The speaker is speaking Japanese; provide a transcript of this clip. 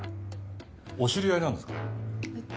お知り合いなんですか？